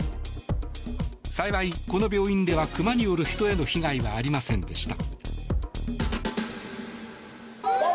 幸いこの病院では熊による人への被害はありませんでした。